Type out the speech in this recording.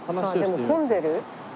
でも混んでる？